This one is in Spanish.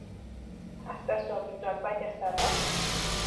Hasta su habitual payasadas?